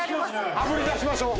あぶり出しましょう！